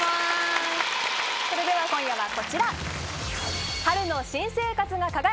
それでは今夜はこちら！